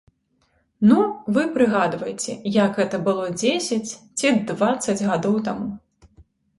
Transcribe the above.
Ну, вы прыгадваеце, як гэта было дзесяць ці дваццаць гадоў таму.